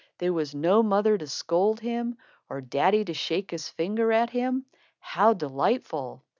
There was no mother to scold him, or daddy to shake his finger at him. How delightful!